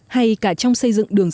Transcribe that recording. hay cả trong xây dựng đường dân